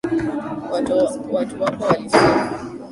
Watu wako walisifu.